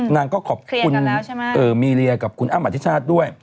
นางก็ขอบคุณมีเรียกับคุณอ้ำอธิชาติด้วย